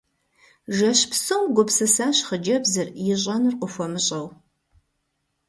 Жэщ псом гупсысащ хъыджэбзыр, ищӀэнур къыхуэмыщӀэу.